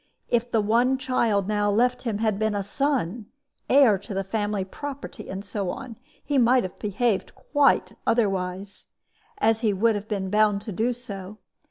If the one child now left him had been a son, heir to the family property and so on, he might have behaved quite otherwise, and he would have been bound to do so.